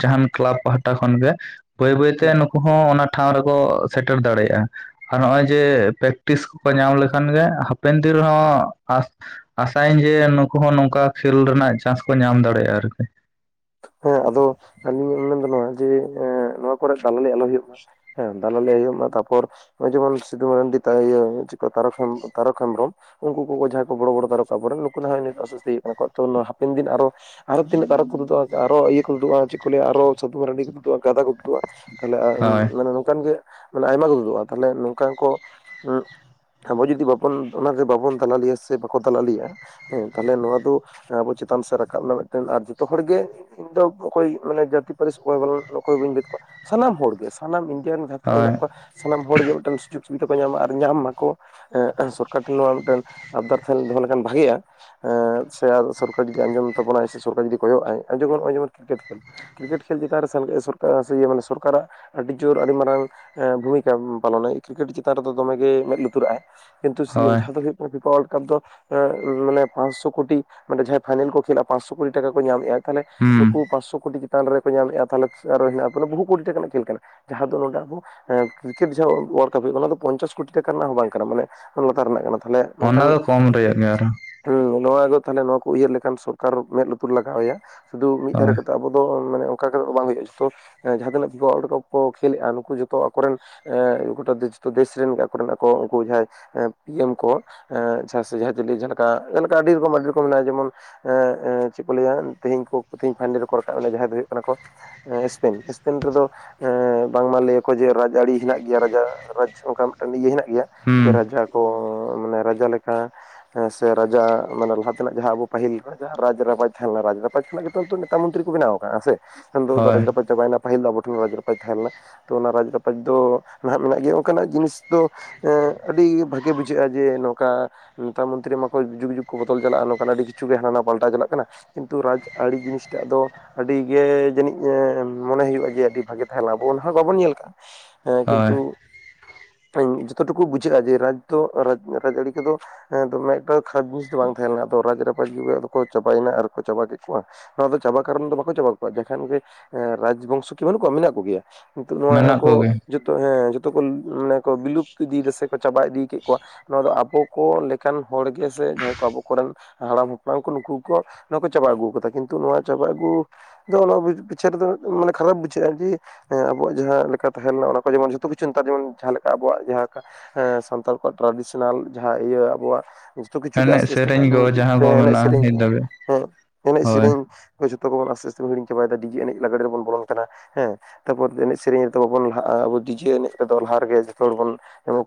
ᱡᱟᱦᱟᱱ ᱠᱞᱟᱵᱽ ᱯᱟᱦᱴᱟ ᱠᱷᱚᱱ ᱜᱮ ᱾ ᱵᱟᱹᱭ ᱵᱟᱹᱭᱛᱮ ᱦᱩᱸ ᱱᱩᱠᱩ ᱦᱚᱸ ᱚᱱᱟ ᱴᱷᱟᱶ ᱨᱮᱠᱚ ᱥᱮᱴᱮᱨ ᱫᱟᱲᱮᱭᱟᱜᱼᱟ᱾ ᱟᱨ ᱱᱚᱜᱼᱚᱭ ᱡᱮ, ᱯᱮᱠᱴᱤᱥ ᱠᱚᱠᱚ ᱧᱟᱢ ᱞᱮᱠᱷᱟᱱ ᱜᱮ ᱦᱟᱯᱮᱱ ᱫᱤᱱ ᱨᱮᱦᱚᱸ ᱟᱥᱛ ᱟᱥᱟᱭᱟᱹᱧ ᱡᱮ, ᱱᱩᱠᱩ ᱦᱚᱸ ᱱᱚᱝᱠᱟ ᱠᱷᱮᱞ ᱨᱮᱱᱟᱜ ᱪᱟᱱᱥ ᱠᱚ ᱧᱟᱢ ᱫᱟᱲᱮᱭᱟᱜᱼᱟ ᱟᱨᱠᱤ ᱾ ᱦᱮᱸ ᱟᱫᱚ ᱟᱞᱤᱧ ᱞᱤᱧ ᱢᱮᱱᱫᱟ ᱱᱚᱣᱟ ᱡᱮ, ᱱᱚᱣᱟ ᱠᱚᱨᱮ ᱫᱟᱞᱟᱞᱤ ᱟᱞᱚ ᱦᱩᱭᱩᱜ ᱢᱟ᱾ ᱦᱮᱸ, ᱫᱟᱞᱟᱞᱤ ᱟᱞᱚ ᱦᱩᱭᱩᱜᱢᱟ ᱾ᱛᱟᱯᱚᱨ ᱱᱚᱜᱼᱚᱭ ᱡᱮᱢᱚᱱ, ᱥᱤᱫᱷᱩ ᱢᱟᱱᱰᱤ ᱛᱟᱨᱚᱠ ᱦᱮᱢᱵᱨᱚᱢ ᱾ ᱩᱱᱠᱩ ᱠᱚ ᱡᱟᱦᱟᱸᱭ ᱠᱚ ᱵᱚᱲᱚ ᱵᱚᱲᱚ ᱫᱟᱨᱚ ᱟᱵᱚ ᱨᱮᱱ, ᱱᱩᱠᱩ ᱦᱚᱸ ᱱᱤᱛ ᱚᱥᱚᱥᱛᱤᱤᱭ ᱠᱚ ᱛᱚ ᱦᱟᱯᱮᱱ ᱫᱤᱱ ᱟᱨᱚ ᱟᱨ ᱦᱚᱸ ᱛᱤᱱᱟᱜ ᱛᱟᱨᱚᱠ ᱠᱚ ᱛᱩᱫᱩ-ᱟ ᱾ ᱟᱨᱚ ᱤᱭᱟᱹ ᱠᱚ ᱛᱩᱫᱩᱜᱼᱟ, ᱪᱮᱫ ᱠᱚ ᱞᱟᱹᱭᱟ ᱟᱨᱚ ᱥᱟᱟᱹᱫᱩᱢ ᱢᱟᱨᱟᱱᱰᱤ ᱠᱚ ᱛᱩᱫᱩᱜᱼᱟ ᱾ ᱜᱟᱫᱟ ᱠᱚ ᱛᱩᱫᱩᱜᱼᱟ᱾ ᱛᱟᱦᱚᱞᱮ ᱦᱳᱭ ᱢᱟᱱᱮ ᱱᱚᱝᱠᱟᱱ ᱜᱮ ᱢᱟᱱᱮ ᱟᱭᱢᱟ ᱠᱚ ᱛᱩᱫᱩᱜᱼᱟ ᱾ ᱛᱟᱦᱞᱮ ᱱᱚᱝᱠᱟ ᱠᱚ ᱟᱵᱚ ᱡᱩᱫᱤ ᱵᱟᱵᱚᱱ ᱚᱱᱟ ᱨᱮ ᱵᱟᱵᱚᱱ ᱫᱟᱞᱟᱞᱤᱭᱟ ᱥᱮ ᱵᱟᱠᱚ ᱛᱟᱞᱟ ᱞᱮᱭᱟ ᱦᱮᱸ ᱛᱟᱦᱞᱮ ᱱᱚᱣᱟ ᱫᱚ, ᱟᱵᱚ ᱪᱮᱛᱟᱱ ᱥᱮᱫ ᱨᱟᱠᱟᱵ ᱮᱱᱟ ᱢᱤᱫᱴᱮᱱ ᱟᱨ ᱡᱚᱛᱚ ᱦᱚᱲᱜᱮ ᱤᱧ ᱫᱚ ᱚᱠᱚᱭ ᱢᱟᱱᱮ ᱡᱟᱹᱛᱤ ᱯᱟᱹᱨᱤᱥ ᱚᱠᱚᱭᱞᱟ ᱚᱠᱚᱭ ᱵᱟᱹᱧ ᱵᱷᱮᱫ ᱠᱚᱣᱟ᱾ ᱥᱟᱱᱟᱢ ᱦᱚᱲᱜᱮ ᱥᱟᱱᱟᱢ ᱤᱱᱰᱤᱭᱟᱱ ᱡᱟᱦᱟᱸ ᱛᱤᱱᱟᱹᱜ ᱦᱳᱭ ᱦᱮᱱᱟᱜ ᱠᱚᱣᱟ ᱥᱟᱱᱟᱢ ᱦᱚᱲᱜᱮ ᱢᱤᱫᱴᱮᱱ ᱥᱩᱡᱳᱜᱽ ᱥᱩᱵᱤᱫᱷᱟ ᱠᱚ ᱧᱟᱢᱟ᱾ ᱟᱨ ᱧᱟᱢ ᱢᱟᱠᱚ ᱾ ᱥᱚᱨᱠᱟᱨ ᱴᱷᱮᱱ ᱱᱚᱣᱟ ᱢᱤᱫᱴᱮᱱ ᱟᱵᱫᱟᱨ ᱴᱷᱮᱱ ᱫᱚᱦᱚ ᱞᱮᱠᱷᱟᱱ ᱵᱷᱟᱜᱤᱜᱼᱟ᱾ ᱮᱸ ᱥᱮ ᱟᱨ ᱥᱚᱨᱠᱟᱨ ᱡᱩᱫᱤ ᱟᱸᱡᱚᱢ ᱛᱟᱵᱚᱱᱟᱭ ᱥᱮ ᱥᱚᱨᱠᱟᱨ ᱡᱩᱫᱤ ᱠᱚᱭᱚᱜ ᱟᱭ [unintelligible] ᱠᱨᱤᱠᱮᱴ ᱠᱷᱮᱞ ᱠᱨᱤᱠᱮᱴ ᱠᱷᱮᱞ ᱪᱮᱛᱟᱱ ᱨᱮ ᱥᱟᱞ ᱥᱚᱨᱠᱟ ᱤᱭᱟᱹ ᱢᱟᱱᱮ ᱥᱚᱨᱠᱟᱨᱟᱜ ᱟᱹᱰᱤ ᱡᱳᱨ ᱟᱹᱰᱤ ᱢᱟᱨᱟᱝ ᱵᱷᱩᱢᱤᱠᱟ ᱯᱟᱞᱚᱱᱟᱭ ᱠᱨᱤᱠᱮᱴ ᱪᱮᱛᱟᱱ ᱨᱮᱫᱚ ᱫᱚᱢᱮ ᱜᱮ ᱢᱮᱸᱫ ᱞᱩᱛᱩᱨᱟᱜ ᱟᱭ᱾ ᱠᱤᱱᱛᱩ ᱦᱳᱭ [unintelligible] ᱯᱷᱤᱯᱟᱣᱟᱨᱞᱰ ᱠᱟᱯ ᱫᱚ, ᱢᱟᱱᱮ ᱯᱟᱸᱥ ᱥᱚ ᱠᱳᱴᱤ ᱢᱟᱱᱮ ᱡᱟᱦᱟᱸᱭ ᱯᱷᱟᱭᱱᱮᱞ ᱠᱚ ᱠᱷᱮᱮᱞᱼᱟ ᱯᱟᱸᱥ ᱥᱚ ᱠᱳᱴᱤ ᱴᱟᱠᱟ ᱠᱚ ᱧᱟᱢᱮᱜᱼᱟ᱾ ᱛᱟᱦᱚᱞᱮ ᱦᱩᱸ ᱱᱩᱠᱩ ᱯᱟᱸᱥ ᱥᱚ ᱠᱳᱴᱤ ᱪᱮᱛᱟᱱ ᱨᱮᱠᱚ ᱧᱟᱢᱮᱜᱼᱟ ᱛᱟᱦᱚᱞᱮ ᱟᱨ ᱦᱮᱱᱟᱜ ᱼᱟ ᱵᱚᱦᱩᱠᱳᱴᱤ ᱴᱟᱠᱟᱱᱟᱜ ᱠᱷᱮᱞ ᱠᱟᱱᱟ᱾ ᱡᱟᱦᱟᱸ ᱫᱚ ᱱᱚᱸᱰᱮ ᱠᱨᱤᱠᱮᱴ ᱡᱟᱦᱟᱸ ᱳᱭᱟᱞᱠᱟᱯ ᱦᱩᱭᱩᱜ ᱠᱟᱱᱟ ᱚᱱᱟ ᱫᱚ ᱯᱚᱧᱪᱟᱥ ᱠᱳᱴᱤ ᱴᱟᱠᱟ ᱨᱮᱱᱟᱜ ᱦᱚᱸ ᱵᱟᱝ ᱠᱟᱱᱟ᱾ᱢᱟᱱᱮ [unintelligible] ᱞᱟᱛᱟᱨ ᱨᱮᱱᱟᱜ ᱠᱟᱱᱟ ᱛᱟᱦᱞᱮ ᱚᱱᱟ ᱚᱝᱠᱟᱱ ᱫᱚ ᱠᱚᱢ ᱨᱮᱭᱟᱜ ᱜᱮ ᱟᱨᱦᱚᱸ ᱦᱩᱸ ᱱᱚᱣᱟ ᱫᱚ ᱛᱟᱦᱚᱞᱮ ᱱᱚᱣᱟ ᱠᱚ ᱩᱭᱦᱟᱹᱨ ᱞᱮᱠᱷᱟᱱ ᱥᱚᱨᱠᱟᱨ ᱢᱮᱸᱫ ᱞᱩᱛᱩᱨ ᱞᱟᱜᱟᱣᱭᱟ, ᱥᱩᱫᱷᱩ ᱢᱤᱜ ᱫᱷᱟᱨᱮ ᱦᱳᱭ ᱠᱟᱛᱮᱜ ᱟᱵᱚ ᱫᱚ ᱢᱟᱱᱮ ᱚᱱᱠᱟ ᱠᱟᱛᱮᱜ ᱫᱚ ᱵᱟᱝ ᱦᱩᱭᱩᱜᱼᱟ ᱡᱚᱛᱚ ᱦᱮᱸ ᱡᱟᱦᱟᱸ ᱛᱤᱱᱟᱹᱜ ᱯᱷᱤᱯᱷᱟ ᱳᱣᱟᱞᱰ ᱠᱟᱯ ᱠᱚ ᱠᱷᱮᱞᱮᱜᱼᱟ ᱱᱩᱠᱩ ᱡᱚᱛᱚ ᱟᱠᱚᱨᱮᱱ ᱮᱸ ᱜᱷᱚᱴᱟ ᱫᱮᱥᱛᱚ ᱫᱮᱥ ᱨᱮᱱ ᱟᱠᱚ ᱨᱮᱱ ᱟᱠᱚ ᱩᱱᱠᱩ ᱡᱟᱦᱟᱸᱭ ᱮᱸ ᱯᱤ ᱮᱢ ᱠᱚ ᱮᱸ ᱡᱟᱦᱟᱸ [unintelligible] ᱡᱟᱦᱟᱸᱞᱮᱠᱟ ᱡᱟᱦᱟᱸᱞᱮᱠᱟ ᱟᱹᱰᱤ ᱨᱚᱠᱚᱢ ᱟᱹᱰᱤ ᱨᱚᱠᱚᱢ ᱢᱮᱱᱟᱜᱼᱟ ᱡᱮᱢᱚᱱ ᱮᱸ ᱮᱸ ᱪᱮᱜ ᱠᱚ ᱞᱟᱹᱭᱟ ᱛᱮᱦᱤᱧ ᱠᱚ ᱛᱮᱦᱮᱧ ᱯᱷᱟᱭᱱᱮᱞ ᱨᱮᱠᱚ ᱨᱟᱠᱟᱵ ᱱᱟ ᱡᱟᱦᱟᱸᱭ ᱫᱚ ᱦᱩᱭᱩᱜ ᱠᱟᱱᱟ ᱠᱚ ᱮᱥᱯᱮᱱ ᱮᱥᱯᱮᱱ ᱨᱮᱫᱚ, ᱮᱸ ᱵᱟᱝᱢᱟ ᱞᱟᱹᱭᱟᱠᱚ ᱡᱮ ᱨᱟᱡᱽ ᱟᱹᱨᱤ ᱦᱮᱱᱟᱜ ᱜᱮᱭᱟ ᱨᱟᱡᱟ ᱨᱟᱡᱽ ᱚᱝᱠᱟ ᱢᱤᱜᱴᱟᱝ ᱤᱭᱟᱹ ᱦᱮᱱᱟᱜ ᱜᱮᱭᱟ᱾ ᱦᱩᱸ ᱡᱮ ᱨᱟᱡᱟ ᱠᱚ ᱢᱟᱱᱮ ᱨᱟᱡᱟ ᱞᱮᱠᱟ, ᱦᱮᱸᱥᱮ ᱨᱟᱡᱟ ᱢᱟᱱᱮ ᱞᱟᱦᱟᱛᱮᱱᱟᱜ ᱡᱟᱦᱟᱸ ᱟᱵᱚ ᱯᱟᱹᱦᱤᱞ ᱨᱟᱡᱟ ᱨᱟᱡᱽ ᱨᱟᱯᱟᱡᱽ ᱛᱟᱦᱮᱸ ᱞᱮᱱᱟ ᱨᱟᱡᱽ ᱨᱟᱯ ᱨᱟᱡᱽ ᱠᱷᱚᱱᱟᱜ ᱜᱮᱛᱚ ᱱᱮᱛᱟ ᱢᱚᱱᱛᱨᱤ ᱠᱚ ᱵᱮᱱᱟᱣ ᱠᱟᱜᱼᱟ ᱥᱮ [unintelligible] ᱫᱚ ᱦᱳᱭ ᱨᱟᱡᱽ ᱨᱟᱯᱟᱡᱽ ᱪᱟᱵᱟᱭᱱᱟ ᱯᱟᱹᱦᱤᱞ ᱫᱚ ᱟᱵᱚ ᱴᱷᱮᱱ ᱨᱟᱡᱽ ᱨᱟᱯᱟᱡᱽ ᱛᱟᱦᱮᱸ ᱞᱮᱱᱟ᱾ ᱛᱚ ᱚᱱᱟ ᱨᱟᱡᱽ ᱨᱟᱯᱟᱡᱽ ᱫᱚ ᱱᱟᱦᱟᱸᱜ ᱢᱮᱱᱟᱜ ᱜᱮᱭᱟ ᱚᱱᱠᱟᱱᱟᱜ ᱡᱤᱱᱤᱥ ᱫᱚ ᱮᱸ ᱟᱹᱰᱤ ᱵᱷᱟᱜᱮ ᱵᱩᱡᱷᱟᱹᱜᱼᱟ ᱡᱮ ᱱᱚᱝᱠᱟ ᱱᱮᱛᱟ ᱢᱚᱱᱛᱨᱤ ᱢᱟᱠᱚ ᱡᱩᱜᱽ ᱡᱩᱜᱽ ᱠᱚ ᱵᱚᱫᱚᱞ ᱪᱟᱞᱟᱜᱼᱟ ᱱᱚᱝᱠᱟᱱ ᱟᱹᱰᱤ ᱠᱤᱪᱷᱩ ᱜᱮ ᱦᱟᱱᱟ ᱱᱟᱣᱟ ᱯᱟᱞᱴᱟᱣ ᱪᱟᱞᱟᱜ ᱠᱟᱱᱟ ᱠᱤᱱ ᱛᱩ ᱨᱟᱡᱽ ᱟᱹᱲᱤ ᱡᱤᱱᱤᱥᱴᱟᱜ ᱫᱚ, ᱟᱹᱰᱤᱜᱮ ᱡᱟᱹᱱᱤᱡ ᱢᱚᱱᱮ ᱦᱩᱭᱩᱜᱼᱟ ᱡᱮ ᱟᱹᱰᱤ ᱵᱷᱟᱜᱮ ᱛᱟᱦᱮᱸᱱᱟ ᱟᱵᱚ ᱚᱱᱟᱦᱚ ᱵᱟᱵᱚᱱ ᱧᱮᱞ ᱠᱟᱜᱼᱟ᱾ ᱦᱮᱸ ᱦᱳᱭ ᱠᱤᱱᱛᱩ ᱡᱚᱛᱚ ᱴᱩᱠᱩ ᱵᱩᱡᱷᱟᱹᱜᱼᱟ ᱡᱮ ᱨᱟᱡᱽ ᱫᱚ ᱨᱟᱡᱽ ᱟᱹᱲᱤ ᱠᱚᱫᱚ ᱫᱚᱢᱮ ᱮᱠᱴᱟ ᱠᱷᱟᱫ ᱡᱤᱱᱤᱥ ᱫᱚ ᱵᱟᱝ ᱛᱟᱦᱮᱸ ᱞᱮᱱᱟ ᱟᱫᱚ ᱨᱟᱡᱽ ᱨᱟᱯᱟᱡᱽ ᱡᱩᱣᱟ ᱫᱚᱠᱚ ᱪᱟᱵᱟᱣᱱᱟ ᱟᱨ ᱪᱟᱵᱟ ᱠᱮᱜ ᱠᱚᱣᱟ ᱱᱚᱣᱟ ᱫᱚ ᱪᱟᱵᱟ ᱠᱟᱨᱚᱱ ᱫᱚ ᱵᱟᱠᱚ ᱪᱟᱵᱟ ᱠᱚᱣᱟ ᱡᱮᱠᱷᱟᱱ ᱜᱮ ᱨᱟᱡᱽ ᱵᱚᱝᱥᱚ ᱠᱤ ᱵᱟᱹᱱᱩᱜ ᱠᱚᱣᱟ ᱢᱮᱱᱟᱜ ᱠᱚᱜᱮᱭᱟ᱾ ᱱᱤᱛᱚᱜ ᱱᱚᱣᱟ ᱢᱮᱱᱟᱜ ᱟᱠᱚ ᱠᱚᱜᱮ ᱡᱚᱛᱚ ᱦᱮᱸ ᱡᱚᱛᱚ ᱠᱚ ᱢᱟᱱᱮ ᱠᱚ ᱵᱤᱞᱩᱯᱛ ᱤᱫᱤᱫᱟ ᱥᱮ ᱪᱟᱵᱟ ᱤᱫᱤ ᱠᱮᱜ ᱠᱚᱣᱟ ᱱᱚᱣᱟ ᱫᱚ ᱟᱵᱚ ᱠᱚ ᱞᱮᱠᱟᱱ ᱦᱚᱲ ᱜᱮ ᱥᱮ ᱡᱟᱦᱟᱸᱭ ᱠᱚ ᱟᱵᱚ ᱠᱚᱨᱮᱱ ᱦᱟᱲᱟᱢ ᱵᱟᱝ ᱠᱚ ᱱᱩᱠᱩ ᱠᱚ ᱱᱚᱣᱟ ᱠᱚ ᱪᱟᱵᱟ ᱟᱹᱜᱩ ᱠᱟᱫᱟ ᱠᱤᱱᱛᱩ ᱱᱚᱣᱟ ᱪᱟᱵᱟ ᱟᱹᱜᱩ ᱫᱚ ᱚᱱᱟ ᱯᱤᱪᱟᱨ ᱫᱚ ᱢᱟᱱᱮ ᱠᱷᱟᱨᱟᱯ ᱵᱩᱡᱷᱟᱹᱜᱼᱟ ᱫᱤ ᱮᱸ ᱟᱵᱚᱣᱟᱜ ᱡᱟᱦᱟᱸ ᱞᱮᱠᱟ ᱛᱟᱦᱮᱸ ᱞᱮᱱᱟ ᱚᱱᱟ ᱠᱚ ᱡᱮᱢᱚᱱ ᱡᱷᱚᱛᱚ ᱠᱤᱪᱷᱩ ᱱᱮᱛᱟᱨ ᱡᱮᱢᱚᱱ ᱡᱟᱦᱟᱸ ᱞᱮᱠᱟ ᱟᱵᱚᱣᱟᱜ ᱡᱟᱦᱟᱸ ᱞᱮᱠᱟ, ᱮᱸ ᱥᱟᱱᱛᱟᱲ ᱠᱚᱣᱟᱜ ᱴᱨᱟᱰᱤᱥᱚᱱᱟᱞ ᱡᱟᱦᱟᱸ ᱤᱭᱟᱹ ᱟᱵᱚᱣᱟᱜ ᱡᱚᱛᱚ ᱠᱤᱪᱷᱩ ᱜᱮ ᱮᱱᱮᱡ ᱟᱥᱛᱮ ᱟᱥᱛᱮᱵᱚᱱ ᱥᱮᱨᱮᱧ ᱠᱚ ᱡᱟᱦᱟᱸ ᱠᱚ ᱮᱱᱮᱡ ᱢᱮᱱᱟᱜᱼᱟ ᱥᱮᱨᱮᱧ ᱱᱤᱛ ᱠᱚᱦᱚᱸ᱾ ᱫᱷᱟᱹᱵᱤᱡ ᱮᱱᱮᱡ ᱦᱳᱭ ᱥᱮᱨᱮᱧ ᱠᱚ ᱡᱚᱛᱚ ᱠᱚᱵᱚᱱ ᱟᱥᱛᱮ ᱟᱥᱛᱮ ᱵᱚᱱ ᱦᱤᱲᱤᱧ ᱪᱟᱵᱟᱭᱫᱟ ᱰᱤᱡᱮ ᱮᱱᱮᱡ ᱞᱟᱜᱲᱽᱮ ᱨᱮᱵᱚᱱ ᱵᱚᱞᱚᱱ ᱠᱟᱱᱟ ᱦᱮᱸ, ᱛᱟᱨᱯᱚᱨ ᱮᱱᱮᱡ ᱥᱮᱨᱮᱧ ᱨᱮᱫᱚ ᱵᱟᱵᱚᱱ ᱞᱟᱦᱟᱜᱼᱟ ᱟᱵᱚ ᱰᱤᱡᱮ ᱮᱱᱮᱡ ᱨᱮᱫᱚ ᱞᱟᱦᱟ ᱨᱮᱜᱮ ᱡᱚᱛᱚ ᱦᱚᱲ ᱵᱚᱱ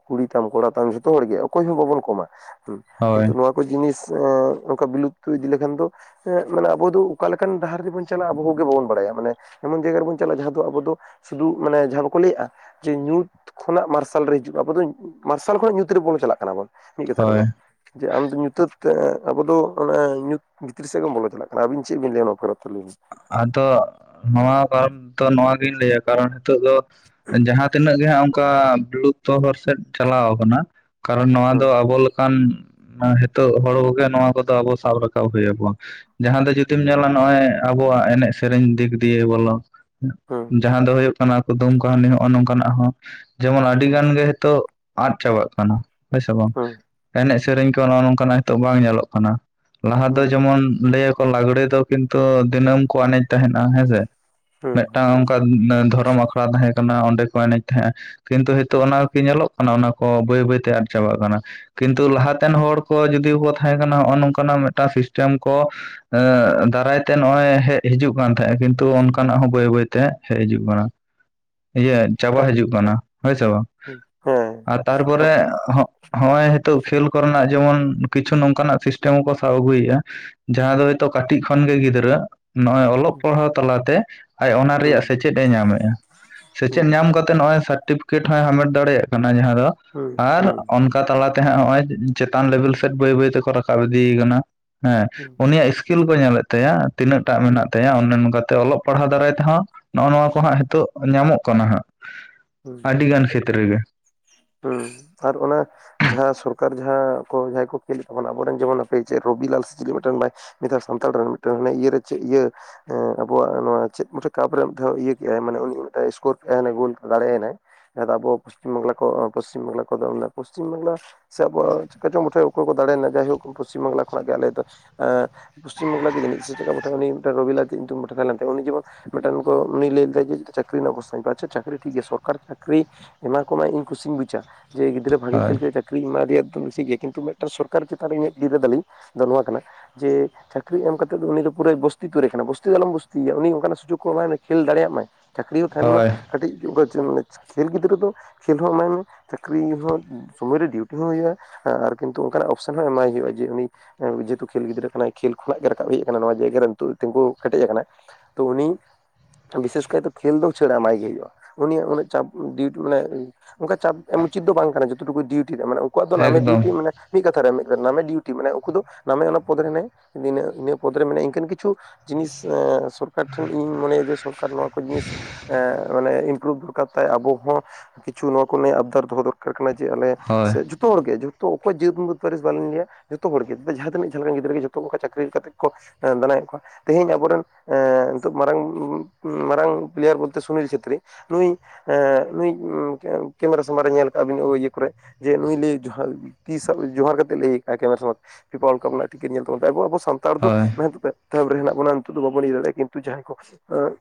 ᱠᱩᱲᱤ ᱛᱟᱢ ᱠᱚᱲᱟ ᱛᱟᱢ ᱡᱚᱛᱚ ᱦᱚᱲᱜᱮ ᱚᱠᱚᱭ ᱦᱚᱸ ᱵᱟᱵᱚᱱ ᱠᱚᱢᱟ᱾ ᱦᱩᱸ ᱦᱳᱭ ᱠᱤᱱᱛᱩ ᱱᱚᱣᱟ ᱠᱚ ᱡᱤᱱᱤᱥ ᱮᱸ ᱚᱱᱠᱟ ᱵᱤᱞᱩᱯᱛᱚ ᱤᱫᱤ ᱞᱮᱠᱷᱟᱱ ᱫᱚ ᱮᱸ ᱢᱟᱱᱮ ᱟᱵᱚ ᱫᱚ ᱚᱠᱟ ᱞᱮᱠᱟᱱ ᱰᱟᱦᱟᱨ ᱛᱮᱵᱚᱱ ᱪᱟᱞᱟᱜᱼᱟ ᱟᱵᱚ ᱠᱚ ᱜᱮ ᱵᱟᱵᱚᱱ ᱵᱟᱰᱟᱭᱟ ᱢᱟᱱᱮ, ᱮᱢᱚᱱ ᱡᱟᱭᱜᱟ ᱨᱮᱵᱚᱱ ᱪᱟᱞᱟᱜᱼᱟ ᱡᱟᱦᱟᱸ ᱫᱚ ᱟᱵᱚ ᱫᱚ ᱥᱩᱫᱷᱩ ᱢᱟᱱᱮ ᱡᱟᱦᱟᱸ ᱵᱟᱠᱚ ᱞᱟᱹᱭᱮᱜᱼᱟ ᱡᱮ ᱧᱩᱛ ᱠᱷᱚᱱᱟᱜ ᱢᱟᱨᱥᱟᱞ ᱨᱮ ᱦᱤᱡᱩᱜᱼᱟ ᱟᱵᱚ ᱫᱚ ᱢᱟᱨᱥᱟᱞ ᱠᱷᱚᱱᱟᱜ ᱧᱩᱛ ᱨᱮᱵᱚᱱ ᱪᱟᱞᱟᱜ ᱠᱟᱱᱟᱵᱚᱱ᱾ ᱢᱤᱫ ᱠᱟᱛᱷᱟ ᱦᱳᱭ ᱨᱮᱫᱚ ᱡᱮ ᱟᱢᱫᱚ ᱧᱩᱛᱟᱹᱛᱮ ᱟᱵᱚ ᱫᱚ ᱚᱱᱮ ᱧᱩᱛ ᱵᱷᱤᱛᱨᱤ ᱥᱮᱜ ᱵᱚᱱ ᱵᱚᱞᱚ ᱪᱟᱞᱟᱜ ᱠᱟᱱᱟ ᱟᱵᱤᱱ ᱪᱮᱜ ᱵᱤᱱ ᱞᱟᱹᱭᱟ ᱱᱚᱭᱟ ᱵᱟᱨᱮᱛᱮ ᱞᱟᱹᱭᱢᱮ? ᱟᱫᱚ ᱱᱚᱣᱟ ᱠᱟᱨᱚᱱ ᱫᱚ ᱱᱚᱣᱟ ᱜᱤᱧ ᱞᱟᱹᱭᱟ ᱠᱟᱨᱚᱱ ᱱᱤᱛᱚᱜ ᱫᱚ ᱡᱟᱦᱟᱸ ᱛᱤᱱᱟᱹᱜ ᱜᱮ ᱦᱟᱸᱜ ᱚᱱᱠᱟ ᱵᱤᱞᱩᱯᱛᱚ ᱦᱚᱨ ᱥᱮᱜ ᱴᱷᱮᱞᱟᱣ ᱠᱟᱱᱟ, ᱠᱟᱨᱚᱱ ᱱᱚᱣᱟ ᱫᱚ ᱦᱩᱸ ᱟᱵᱚ ᱞᱟ ᱱᱤᱛᱚᱜ ᱦᱚᱲ ᱠᱚᱜᱮ ᱱᱚᱣᱟ ᱠᱚᱫᱚ ᱟᱵᱚ ᱥᱟᱵ ᱨᱟᱠᱟᱵ ᱦᱩᱭ ᱟᱵᱚ, ᱡᱟᱦᱟᱸ ᱫᱚ ᱡᱩᱫᱤ ᱡᱩᱫᱤᱢ ᱧᱮᱞᱟ ᱱᱚᱜᱼᱚᱭ ᱟᱵᱚᱣᱟᱜ ᱮᱱᱮᱡ ᱥᱮᱨᱮᱧ ᱫᱤᱠ ᱫᱤᱭᱮ ᱵᱚᱞᱚ ᱦᱩᱸ ᱡᱟᱦᱟᱸ ᱫᱚ ᱦᱩᱭᱩᱜ ᱠᱟᱱᱟ ᱠᱩᱫᱩᱢ, ᱠᱟᱹᱦᱱᱤ ᱦᱚᱜᱼᱚ ᱱᱚᱝᱠᱟᱱᱟᱜ ᱦᱚᱸ ᱡᱮᱢᱚᱱ ᱟᱹᱰᱤ ᱦᱩᱸ ᱜᱟᱱ ᱜᱮ ᱦᱤᱛᱚᱜ ᱟᱫ ᱪᱟᱵᱟᱜ ᱠᱟᱱᱟ ᱦᱳᱭ ᱥᱮ ᱵᱟᱝ? ᱦᱩᱸ ᱦᱩᱸ ᱮᱱᱮᱡ ᱥᱮᱨᱮᱧ ᱠᱚ ᱱᱚ ᱚᱭ ᱱᱚᱝᱠᱟᱱᱟᱜ ᱱᱤᱛᱚᱜ ᱵᱟᱝ ᱧᱮᱞᱚᱜ ᱠᱟᱱᱟ, ᱞᱟᱦᱟ ᱫᱚ ᱦᱩᱸ ᱡᱮᱢᱚᱱ ᱞᱟᱹᱭᱟ ᱠᱚ, ᱞᱟᱜᱽᱲᱮ ᱫᱚ ᱠᱤᱱᱛᱩ ᱫᱤᱱᱟᱹᱢ ᱠᱚ ᱮᱱᱮᱡ ᱛᱟᱦᱮᱱᱟ, ᱦᱮᱸᱥᱮ ᱦᱩᱸ ᱦᱩᱸ ᱢᱤᱫᱴᱟᱝ ᱫᱷᱚᱨᱚᱢ ᱟᱠᱷᱲᱟ ᱛᱟᱦᱮᱸ ᱠᱟᱱᱟ ᱚᱸᱰᱮ ᱠᱚ ᱮᱱᱮᱡ ᱛᱟᱦᱮᱸᱜᱼᱟ ᱠᱤᱱᱛᱩ ᱱᱤᱛᱳᱜ ᱦᱩᱸ ᱚᱱᱟ ᱧᱮᱞᱚᱜ ᱠᱟᱱᱟ᱾ ᱚᱱᱟ ᱠᱚ ᱵᱟᱹᱭ ᱵᱟᱹᱭᱛᱮ ᱟᱫ ᱪᱟᱵᱟᱜ ᱠᱟᱱᱟ ᱠᱤᱱᱛᱩ ᱞᱟᱦᱟᱛᱮᱱ ᱦᱩᱸ ᱦᱚᱲ ᱠᱚ ᱡᱩᱫᱤ ᱠᱚ ᱛᱟᱦᱮᱸ ᱠᱟᱱᱟ ᱱᱚᱜᱼᱚᱭ ᱱᱚᱝᱠᱟᱱᱟᱜ ᱢᱤᱫᱴᱟᱝ ᱥᱤᱥᱴᱟᱢ ᱠᱚ ᱫᱟᱨᱟᱭ ᱛᱮ ᱛᱮ ᱱᱚᱜᱼᱚᱭ ᱦᱮᱡ ᱦᱤᱡᱩᱜ ᱠᱟᱱ ᱛᱟᱦᱮᱸᱜᱼᱟ ᱠᱤᱱᱛᱩ ᱚᱱᱠᱟᱱᱟᱜ ᱦᱚᱸ ᱵᱟᱹᱭ ᱵᱟᱹᱭᱛᱮ ᱦᱮᱡ ᱦᱤᱡᱩᱜ ᱠᱟᱱᱟ᱾ ᱤᱭᱟᱹ ᱪᱟᱵᱟ ᱦᱤᱡᱩᱜ ᱠᱟᱱᱟ ᱦᱳᱭ ᱥᱮ ᱵᱟᱝ ᱦᱩᱸ ᱦᱮᱸ ᱟᱨ ᱛᱟᱯ ᱛᱟᱨᱯᱚᱨᱮ ᱦᱚᱜ ᱦᱚᱸ ᱳᱭ ᱱᱤᱛᱳ ᱠᱷᱮᱞ ᱠᱚᱨᱮᱱᱟᱜ ᱡᱮᱢᱚᱱ ᱠᱤᱪᱷᱩ ᱱᱚᱝᱠᱟᱱᱟᱜ ᱥᱤᱥᱴᱟᱢ ᱠᱚ ᱥᱟᱵ ᱟᱹᱜᱩᱭᱮᱜᱼᱟ᱾ ᱡᱟᱦᱟᱸ ᱫᱚ ᱦᱩᱸ ᱱᱤᱛᱳᱜ ᱠᱟᱹᱴᱤᱡ ᱠᱷᱚᱱ ᱜᱮ ᱜᱤᱫᱽᱨᱟᱹ ᱱᱚᱜᱼᱚᱭ ᱚᱞᱚᱜ ᱦᱩᱸ ᱯᱟᱲᱦᱟᱣ ᱛᱟᱞᱟᱛᱮ ᱟᱡ ᱚᱱᱟ ᱦᱩᱸ ᱨᱮᱭᱟᱜ ᱥᱮᱪᱮᱫ ᱮ ᱧᱟᱢᱮᱜᱼᱟ᱾ ᱥᱮᱪᱮᱫ ᱦᱩᱸ ᱧᱟᱢ ᱠᱟᱛᱮ ᱱᱚᱜᱼᱚᱭ ᱥᱟᱨᱴᱤᱯᱷᱤᱠᱮᱴ ᱦᱚᱸᱭ ᱦᱟᱢᱮᱴ ᱫᱟᱲᱮᱭᱟᱜ ᱠᱟᱱᱟ, ᱡᱟᱦᱟᱸ ᱫᱚ ᱦᱩᱸ ᱟᱨ ᱦᱩᱸ ᱚᱱᱠᱟ ᱠᱟᱛᱷᱟ ᱛᱟᱞᱟᱛᱮ ᱦᱟᱜ ᱱᱚᱜ ᱚᱭ ᱪᱮᱛᱟᱱ ᱞᱮᱵᱮᱞ ᱥᱮᱫ ᱵᱟᱹᱭ ᱵᱟᱹᱭ ᱛᱮᱠᱚ ᱨᱟᱠᱟᱵ ᱤᱫᱤᱭ ᱠᱟᱱᱟ ᱦᱮᱸ᱾ ᱩᱱᱤᱭᱟᱜ ᱤᱥᱠᱤ ᱟᱹᱠᱤᱞ ᱠᱚ ᱧᱮᱞᱮᱫ ᱛᱟᱭᱟ ᱛᱤᱱᱟᱹᱜ ᱴᱟᱜ ᱦᱩᱸ ᱢᱮᱱᱟᱜ ᱛᱟᱭᱟ, ᱚᱱᱮ ᱱᱚᱝᱠᱟᱛᱮ ᱚᱞᱚᱜ ᱯᱟᱲᱦᱟᱣ ᱫᱟᱨᱟᱭ ᱛᱮᱦᱚᱸ ᱱᱚᱜᱼᱚᱭ ᱱᱚᱣᱟ ᱠᱚ ᱦᱟᱸᱜ ᱦᱤᱛᱚᱜ ᱧᱟᱢᱚᱜ ᱠᱟᱱᱟ ᱦᱟᱸᱜ᱾ ᱦᱩᱸ ᱟᱹᱰᱤᱜᱟᱱ ᱠᱷᱮᱛᱨᱮ ᱨᱮᱜᱮ ᱾ ᱦᱩᱸ ᱟᱨ ᱚᱱᱟ, ᱡᱟᱦᱟᱸ ᱥᱚᱨᱠᱟᱨ ᱡᱟᱦᱟᱸ ᱠᱚ ᱡᱟᱦᱟᱸᱭ ᱠᱚ ᱠᱷᱮᱞᱚᱫ ᱛᱟᱵᱚᱱᱟ ᱟᱵᱚᱨᱮᱱ ᱡᱮᱢᱚᱱ ᱟᱯᱮ ᱨᱚᱵᱤᱞᱟᱞ ᱥᱮ ᱪᱮᱞᱮ ᱢᱤᱫᱴᱮᱱ ᱱᱮᱛᱟᱨ ᱥᱟᱱᱛᱟᱲ ᱨᱮᱱ ᱢᱤᱫᱴᱟᱝ ᱦᱟᱱᱮ ᱤᱭᱟᱹᱨᱮ ᱪᱮᱫ ᱤᱭᱟᱹ ᱦᱮᱸ ᱟᱵᱚᱣᱟᱜ ᱱᱚᱣᱟ ᱪᱮᱫ ᱠᱟᱯᱨᱮ ᱢᱤᱫᱷᱟᱣ ᱤᱭᱟᱹ ᱠᱮᱫᱼᱟᱭ ᱢᱟᱱᱮ ᱩᱱᱤ ᱢᱤᱫ ᱥᱠᱳᱨ ᱠᱮᱫᱼᱟᱭ ᱜᱳᱞ ᱫᱟᱲᱮᱭᱟᱱᱟᱭ ᱾ ᱡᱟᱦᱟᱸ ᱟᱵᱚ ᱯᱟᱥᱪᱤᱢ ᱵᱟᱝᱞᱟ ᱠᱚ ᱯᱟᱥᱪᱤᱢ ᱵᱟᱝᱞᱟ ᱠᱚᱫᱚ ᱯᱚᱥᱪᱤᱢ ᱵᱟᱝᱞᱟ ᱥᱮ ᱟᱵᱚ ᱪᱮᱠᱟ ᱪᱚᱝ ᱢᱚᱴᱷᱮ ᱚᱠᱚᱭ ᱠᱚ ᱫᱟᱲᱮᱱᱟ ᱡᱟᱦᱟᱭ ᱯᱟᱥᱪᱤᱢ ᱵᱟᱝᱞᱟ ᱠᱷᱚᱱᱟᱜ ᱜᱮ ᱟᱞᱮ ᱫᱚ ᱮᱸᱜ ᱯᱟᱥᱪᱤᱢ ᱵᱟᱝᱞᱟ ᱜᱮ ᱡᱟᱹᱱᱤᱡ ᱥᱮ ᱪᱮᱫ ᱞᱮᱠᱟ ᱩᱱᱤ ᱨᱚᱵᱤᱞᱟᱞ ᱪᱮᱫ ᱧᱩᱛᱩᱱ ᱛᱟᱦᱮᱸ ᱞᱮᱱ ᱛᱟᱭᱟ, ᱩᱱᱤ ᱡᱮᱢᱚᱱ ᱢᱤᱫᱴᱟᱝ ᱚᱱᱠᱚ ᱩᱱᱤ ᱞᱟᱹᱭ ᱞᱮᱫᱟ ᱡᱮ ᱪᱟᱠᱤᱨᱧᱚᱜ ᱠᱚ ᱥᱟᱜᱮ ᱠᱚᱼᱟ ᱟᱪᱷᱟ ᱪᱟᱹᱠᱨᱤ ᱴᱷᱤᱠ ᱜᱮᱭᱟ ᱥᱚᱨᱠᱟᱨ ᱪᱟᱹᱠᱨᱤ ᱮᱢᱟ ᱠᱚᱢᱮ ᱠᱩᱥᱤᱧ ᱵᱩᱡᱟ, ᱡᱮ ᱜᱤᱫᱨᱟᱹ ᱵᱷᱟᱜᱮ ᱦᱳᱭ ᱠᱷᱮᱞ ᱠᱮᱫᱟ, ᱪᱟᱹᱠᱨᱤ ᱮᱢᱟ ᱫᱮᱭᱟ ᱫᱚ ᱠᱩᱥᱤ ᱜᱮᱭᱟ ᱠᱤᱱᱛᱩ ᱢᱤᱫᱴᱟᱝ ᱥᱚᱨᱠᱟᱨ ᱪᱮᱛᱟᱱ ᱨᱮ ᱤᱧᱟᱜ ᱵᱤᱫᱟ ᱛᱟᱞᱤᱧ ᱱᱚᱣᱟ ᱠᱟᱱᱟ ᱡᱮ ᱪᱟᱹᱠᱨᱤ ᱮᱢ ᱠᱟᱛᱮᱫ ᱫᱚ ᱩᱱᱤ ᱫᱚ ᱯᱩᱨᱟᱹᱭ ᱵᱩᱥᱛᱤ ᱛᱩᱨᱤ ᱠᱟᱱᱟ ᱵᱚᱥᱛᱤ ᱫᱚ ᱟᱞᱚᱢ ᱵᱚᱥᱛᱤᱭᱮᱭᱟ ᱩᱱᱤ ᱚᱱᱠᱟᱱᱟᱜ ᱥᱩᱡᱳᱜ ᱠᱚ ᱮᱢᱟᱭ ᱢᱮ ᱠᱷᱮᱞ ᱫᱟᱲᱮᱭᱟᱜ ᱢᱟᱭ᱾ ᱪᱟᱹᱠᱨᱤ ᱦᱚᱸ ᱛᱟᱦᱮᱱ ᱢᱟ ᱦᱳᱭ ᱠᱟᱹᱴᱤᱡ ᱠᱷᱮᱞ ᱜᱤᱫᱽᱨᱟᱹ ᱫᱚ ᱠᱷᱮᱞ ᱦᱚᱸ ᱮᱢᱟᱭ ᱢᱮ ᱪᱟᱹᱠᱨᱤ ᱦᱚᱸ ᱥᱚᱢᱚᱭ ᱨᱮ ᱰᱤᱩᱴᱤ ᱦᱚᱸ ᱦᱩᱭᱩᱜᱼᱟ᱾ ᱦᱮᱸ ᱟᱨ ᱠᱤᱱᱛᱩ ᱚᱱᱠᱟᱱᱟᱜ ᱚᱯᱥᱮᱱ ᱦᱚᱸ ᱮᱢᱟᱭ ᱦᱩᱭᱩᱜᱼᱟ, ᱡᱮ ᱩᱱᱤ ᱡᱮᱦᱮᱛᱩ ᱠᱷᱮᱞ ᱜᱤᱫᱽᱨᱟᱹ ᱠᱟᱱᱟᱭ ᱠᱷᱮᱞ ᱠᱷᱚᱱᱟᱜ ᱜᱮ ᱨᱟᱠᱟᱵ ᱦᱮᱡ ᱟᱠᱟᱱᱟ ᱱᱚᱣᱟ ᱡᱟᱭᱜᱟ ᱨᱮᱭ ᱛᱤᱸᱜᱩ ᱠᱮᱴᱮᱡ ᱟᱠᱟᱱᱟ ᱾ ᱛᱚ ᱩᱱᱤ ᱵᱤᱥᱮᱥ ᱠᱟᱭᱛᱮ ᱠᱷᱮᱞ ᱫᱚ ᱩᱪᱟᱹᱲ ᱮᱢᱟᱭ ᱜᱮ ᱦᱳᱭᱳᱜᱼᱟ᱾ ᱩᱱᱤᱭᱟᱜ ᱩᱱᱟᱹᱜ ᱪᱟᱯ ᱰᱤᱴ ᱢᱟᱱᱮ ᱚᱱᱠᱟ ᱪᱟᱯ ᱩᱪᱤᱛ ᱫᱚ ᱵᱟᱝ ᱠᱟᱱᱟ ᱡᱚᱛᱚ ᱠᱩ ᱰᱤᱭᱩᱴᱤ ᱨᱮ ᱢᱟᱱᱮ ᱩᱱᱠᱩᱣᱟᱜ ᱫᱚ ᱱᱟᱢᱮ ᱮᱠᱫᱚᱢ ᱰᱤᱭᱩᱴᱤ ᱢᱟᱱᱮ ᱢᱤᱫ ᱠᱟᱛᱷᱟᱨᱮ ᱢᱮᱱ ᱠᱮᱫ ᱱᱟᱢᱮ ᱰᱤᱭᱩᱴᱤ ᱢᱮ ᱩᱱᱠᱩ ᱫᱚ ᱱᱟᱢᱮ ᱚᱱᱟ ᱯᱚᱫ ᱨᱮ ᱱᱤᱱᱟᱜ ᱯᱚᱫ ᱨᱮ ᱢᱮᱱᱟᱭᱟ ᱤᱱᱠᱟᱱ ᱠᱤᱪᱷᱩ ᱡᱤᱱᱤᱥ ᱥᱚᱨᱠᱟᱨ ᱴᱷᱮᱱ ᱤᱧ ᱢᱚᱱᱮᱭᱟ ᱡᱮ ᱥᱚᱨᱠᱟᱨ ᱱᱚᱣᱟ ᱠᱚ ᱡᱤᱱᱤᱥ ᱢᱟᱱᱮ ᱤᱱᱯᱩᱨᱩᱵ ᱫᱚᱨᱠᱟᱨ ᱛᱮᱭ ᱟᱵᱚ ᱦᱚᱸ, ᱠᱤᱪᱷᱩ ᱱᱚᱣᱟ ᱠᱚ ᱱᱮ ᱟᱵᱫᱟᱨ ᱫᱚᱦᱚ ᱫᱚᱨᱠᱟᱨ ᱠᱟᱱᱟ ᱡᱮ ᱟᱞᱮ ᱦᱳᱭ ᱥᱮ ᱡᱚᱛᱚ ᱦᱚᱲᱜᱮ ᱡᱚᱛᱚ ᱚᱠᱚᱭ ᱡᱟᱹᱛ ᱯᱟᱹᱨᱤᱥ ᱵᱟᱞᱤᱧ ᱞᱟᱹᱭᱟ, ᱡᱚᱛᱚ ᱦᱚᱲ ᱜᱮ ᱡᱟᱦᱟᱸ ᱛᱤᱱᱟᱹᱜ ᱡᱟᱦᱟᱸ ᱞᱮᱠᱟᱱ ᱜᱤᱫᱽᱨᱟᱹ ᱜᱮ ᱡᱚᱛᱚᱱᱠᱟ ᱪᱟᱹᱠᱨᱤ ᱠᱟ ᱠᱟᱛᱮᱜ ᱠᱚ ᱫᱟᱱᱟᱭᱮᱫ ᱠᱚᱣᱟ᱾ ᱛᱮᱦᱮᱧ ᱟᱵᱚᱨᱮᱱ ᱱᱤᱛᱚᱜ ᱢᱟᱨᱟᱝ ᱢᱟᱨᱟᱝ ᱯᱞᱮᱭᱟᱨ ᱵᱚᱞᱛᱮ ᱥᱩᱱᱤᱞ ᱪᱷᱮᱛᱨᱤ ᱾ ᱱᱩᱭ ᱱᱩᱭ ᱠᱮᱢᱮᱨᱟ ᱥᱟᱢᱟᱝ ᱨᱮ ᱧᱮᱞ ᱠᱟᱜᱼᱟ ᱵᱮᱱ ᱤᱭᱟᱹ ᱠᱚᱨᱮᱜ, ᱡᱮ ᱱᱩᱭ ᱞᱮ ᱛᱤ ᱦᱚᱸ ᱡᱚᱦᱟᱨ ᱠᱟᱛᱮᱜ ᱞᱮ ᱠᱟᱜ-ᱟᱭ ᱥᱟᱢᱟᱝ ᱵᱚᱞ ᱠᱚ ᱢᱮᱱᱟᱜ ᱛᱤᱠᱤᱱᱤᱭᱟ ᱠᱚ ᱟᱵᱚ ᱟᱵᱚ ᱥᱟᱱᱛᱟᱲ ᱫᱚ ᱦᱳᱭ ᱢᱟ ᱛᱟᱯᱮ ᱛᱟᱵ ᱨᱮ ᱦᱮᱱᱟᱜ ᱵᱚᱱᱟ ᱱᱤᱛᱚᱜ ᱫᱚ ᱵᱟᱵᱚᱱ ᱤᱭᱟᱹ ᱫᱟᱲᱮᱭᱟᱜᱼᱟ ᱠᱤᱱᱛᱩ ᱡᱟᱦᱟᱸᱭ ᱠᱚ ᱟᱸᱜ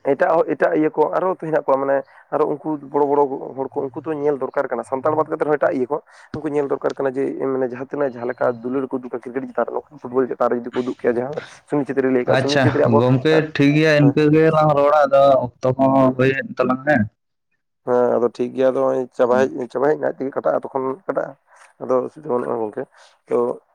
ᱮᱴᱟᱜ ᱦᱚᱲ ᱮᱴᱟᱜ ᱤᱭᱟᱹ ᱠᱚ ᱟᱨᱦᱚ ᱦᱮᱱᱟᱜ ᱠᱚᱣᱟ ᱢᱟᱱᱮ ᱟᱨᱦᱚ ᱩᱱᱠᱩ ᱵᱚᱲᱚ ᱵᱚᱲᱚ ᱦᱚᱲ ᱠᱚ ᱩᱱᱠᱩ ᱫᱚ ᱧᱮᱞ ᱫᱚᱨᱠᱟᱨ ᱠᱟᱱᱟ ᱥᱟᱱᱛᱟᱲ ᱵᱟᱫ ᱠᱟᱛᱮᱫ ᱨᱮᱦᱚᱸ ᱮᱴᱟᱜ ᱤᱭᱟᱹ ᱠᱚ ᱩᱱᱠᱩ ᱧᱮᱞ ᱫᱚᱨᱠᱟᱨ ᱠᱟᱱᱟ ᱡᱮ ᱡᱟᱦᱟᱸ ᱛᱤᱱᱟᱜ ᱡᱟᱦᱟᱸ ᱞᱮᱠᱟ ᱫᱩᱞᱟᱹᱲ [unintelligible] ᱠᱨᱤᱠᱮᱴ ᱪᱮᱛᱟᱱ ᱨᱮ ᱯᱷᱩᱴᱵᱚ ᱪᱮᱛᱟᱱ ᱨᱮ ᱡᱩᱫᱤ ᱠᱚ ᱩᱫᱩᱜ ᱠᱮᱭᱟ ᱡᱟᱦᱟᱸ᱾ ᱥᱩᱱᱤᱞ ᱪᱷᱮᱛᱨᱤ ᱞᱟᱹᱭ ᱠᱟᱜᱼᱟ ᱥᱩᱱᱤᱞ ᱟᱪᱷᱟ ᱪᱷᱮᱛᱨᱤ ᱟᱵᱚ ᱜᱚᱝᱠᱮ ᱴᱷᱤᱠᱜᱮᱭᱟ ᱦᱮᱸ ᱤᱱᱠᱟᱹ ᱜᱮᱞᱟᱝ ᱨᱚᱲᱟ ᱟᱫᱚ ᱚᱠᱛᱚ ᱦᱚᱸ ᱦᱮᱸ ᱦᱩᱭᱮᱱ ᱛᱟᱞᱟᱝ ᱦᱮᱸ᱾ ᱦᱮᱸ ᱟᱫᱚ ᱴᱷᱤᱠ ᱜᱮᱭᱟ ᱟᱫᱚ ᱦᱚᱜ-ᱚᱭ ᱪᱟᱵᱟ ᱦᱳᱭ ᱮᱡ ᱪᱟᱵᱟ ᱦᱮᱡ ᱱᱟ ᱛᱤᱨᱮ ᱠᱟᱴᱟᱜ-ᱟ ᱛᱚᱠᱷᱚᱱ ᱠᱚᱴᱟᱜᱼᱟ ᱟᱫᱚ ᱚᱥᱩᱵᱤᱫᱟ ᱵᱟᱹᱱᱩᱜᱼᱟ ᱜᱚᱝᱠᱮ ᱛᱚ